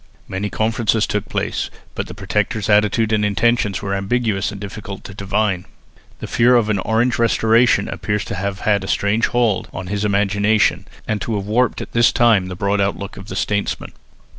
Many conferences took place, but the Protector's attitude and intentions were ambiguous and difficult to divine. The fear of an Orange restoration appears to have had a strange hold on his imagination and to have warped at this time the broad outlook of the statesman.